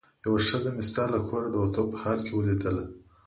یوه ښځه مې ستا له کوره د وتو په حال کې ولیدله.